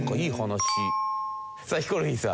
さあヒコロヒーさん。